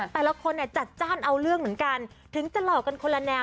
แต่ละคนเนี่ยจัดจ้านเอาเรื่องเหมือนกันถึงจะหลอกกันคนละแนว